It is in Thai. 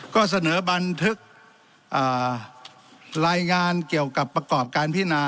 ก็เสนอบันทึกรายงานเกี่ยวกับประกอบการพินา